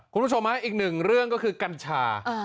คุณผู้ชมฮะอีกหนึ่งเรื่องก็คือกัญชา